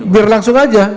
biar langsung aja